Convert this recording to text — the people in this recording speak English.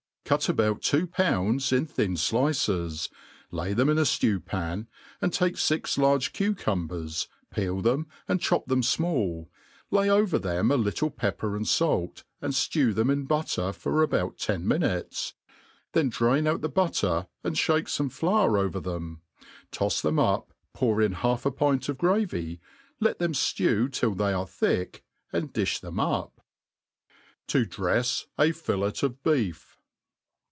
cut about D 4 £\r» 40 THE ART Of CQOKERY . two pounds in thin flice$, lay the^n in a ftew pah, and take (\^ large cucumber5, peel tKenon and chop them fmall, lay ovef tbcun a little pepper and fait, and Aew them iiT' butter for about ten minutes, then d;ain put the butter, and fluke fome flour over them ; tofs them up, pour in half a pint qf gr^vy, let them ilew till they are thick, and dlfii them up. To 4refe a Fillet of Beef.